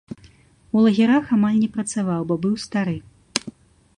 У лагерах амаль не працаваў, бо быў стары.